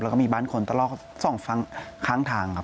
แล้วก็มีบ้านคนตลอด๒ค้างทางครับ